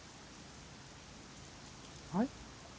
はい？